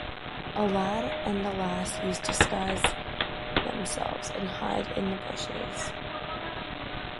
A lad and a lass used disguise themselves and hide in the bushes.